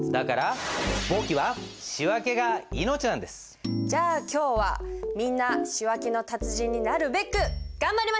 だからじゃあ今日はみんな仕訳の達人になるべく頑張りましょう！